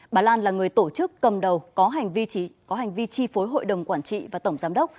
bà lan là người tổ chức cầm đầu có hành vi chi phối hội đồng quản trị và tổng giám đốc